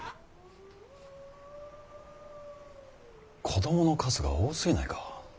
子供の数が多すぎないか。